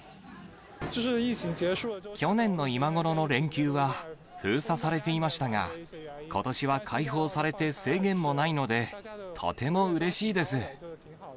去年の今頃の連休は、封鎖されていましたが、ことしは開放されて制限もないので、とてもうれしいです。